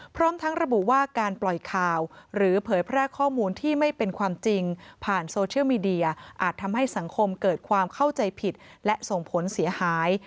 พร้อมทั้งระบุว่าการปล่อยข่าวหรือเผยแพร่ข้อมูลที่ไม่เป็นความจริงผ่านโซเชียลมีเดียอาจทำให้สังคมเกิดความเข้าใจผิดและส่งผลเสียหาย